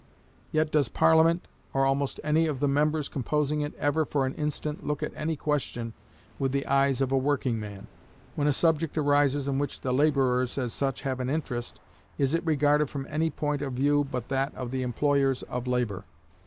Yet does Parliament, or almost any of the members composing it, ever for an instant look at any question with the eyes of a working man? When a subject arises in which the laborers as such have an interest, is it regarded from any point of view but that of the employers of labor?